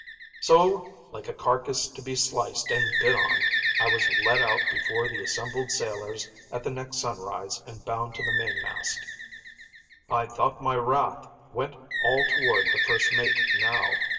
"So, like a carcass to be sliced and bid on, I was lead out before the assembled sailors at the next sunrise and bound to the main mast. I thought my wrath went all toward the first mate now.